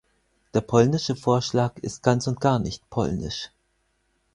Der polnische Vorschlag ist ganz und gar nicht polnisch.